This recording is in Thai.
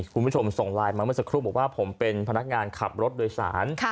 คุณผู้ชมส่งไลน์มาเมื่อสักครู่บอกว่าผมเป็นพนักงานขับรถโดยสาร